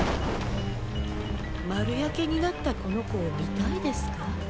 丸焼けになったこの子を見たいですか？